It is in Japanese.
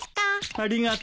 ありがとう。